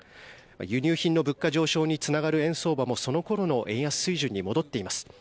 輸入品の物価上昇につながる円相場もその頃の円安水準に戻っています。